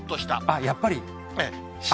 あ、やっぱり？